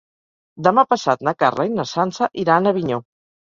Demà passat na Carla i na Sança iran a Avinyó.